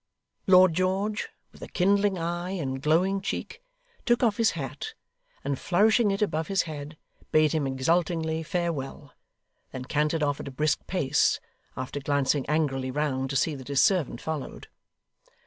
Lord George, with a kindling eye and glowing cheek, took off his hat, and flourishing it above his head, bade him exultingly Farewell! then cantered off at a brisk pace; after glancing angrily round to see that his servant followed.